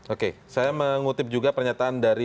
oke saya mengutip juga pernyataan dari